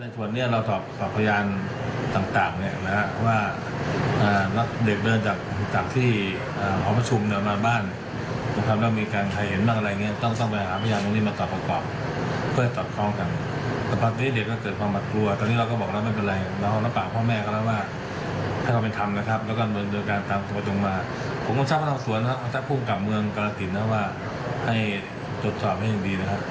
จดสอบให้อย่างดีนะครับเราไม่มีการการแก้นใครครับ